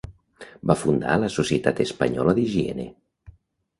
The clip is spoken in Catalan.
Va fundar la Societat Espanyola d'Higiene.